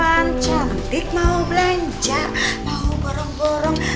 aku anjur mau belanja mau borong borong